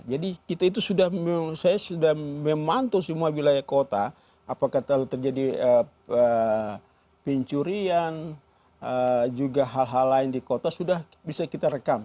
kita itu sudah saya sudah memantau semua wilayah kota apakah terlalu terjadi pencurian juga hal hal lain di kota sudah bisa kita rekam